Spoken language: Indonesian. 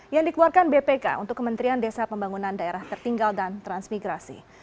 yang dikeluarkan bpk untuk kementerian desa pembangunan daerah tertinggal dan transmigrasi